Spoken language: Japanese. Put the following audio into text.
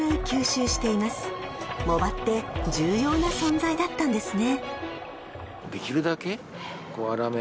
［藻場って重要な存在だったんですね］